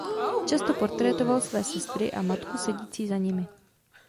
Často portrétoval své sestry a matku sedící za nimi.